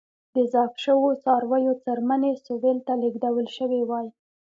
د ذبح شویو څارویو څرمنې سویل ته لېږدول شوې وای.